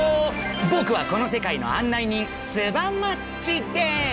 ボクはこの世界の案内人スバマッチです。